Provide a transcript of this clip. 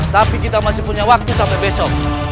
tapi kita masih punya waktu sampai besok